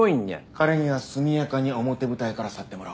彼には速やかに表舞台から去ってもらおう。